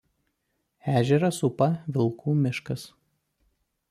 Ežerą supa Vilkų miškas.